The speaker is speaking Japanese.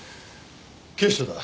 警視庁だ。